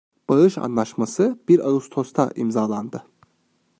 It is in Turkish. Bağış anlaşması bir Ağustos'ta imzalandı.